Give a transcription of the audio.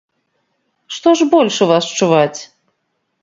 Што ж больш у вас чуваць?